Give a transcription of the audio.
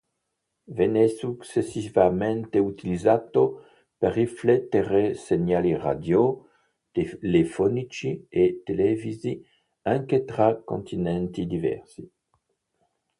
Venne successivamente utilizzato per riflettere segnali radio, telefonici e televisivi anche tra continenti diversi.